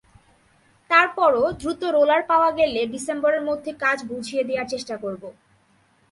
তারপরও দ্রুত রোলার পাওয়া গেলে ডিসেম্বরের মধ্যে কাজ বুঝিয়ে দেয়ার চেষ্টা করব।